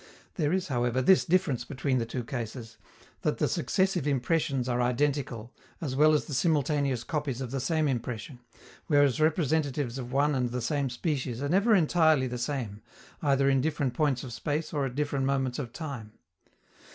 There is, however, this difference between the two cases, that the successive impressions are identical, as well as the simultaneous copies of the same impression, whereas representatives of one and the same species are never entirely the same, either in different points of space or at different moments of time.